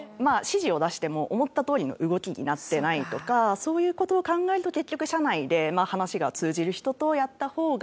指示を出しても思ったとおりの動きになってないとかそういう事を考えると結局社内で話が通じる人とやった方がコスパいいかなって。